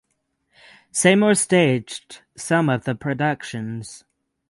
Seymour staged some of the productions.